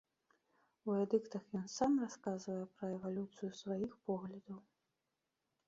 У эдыктах ён сам расказвае пра эвалюцыю сваіх поглядаў.